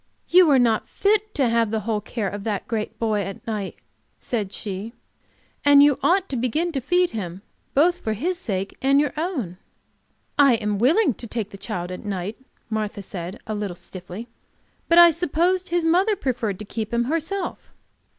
"You are not fit to have the whole care of that great boy at night," said she, "and you ought to begin to feed him, both for his sake and your own." "I am willing to take the child at night," Martha said, a little stiffly. "But I supposed his mother preferred to keep him herself."